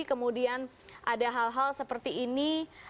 kemudian ada hal hal seperti ini